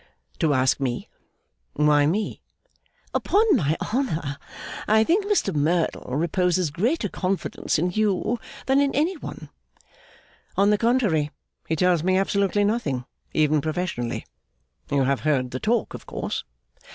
'To ask me! Why me?' 'Upon my honour, I think Mr Merdle reposes greater confidence in you than in any one.' 'On the contrary, he tells me absolutely nothing, even professionally. You have heard the talk, of course?